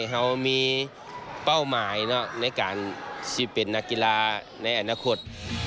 เขามีเป้าหมายในการที่เป็นนักกีฬาในอนาคต